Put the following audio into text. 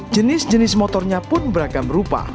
jenis jenis motornya pun beragam rupa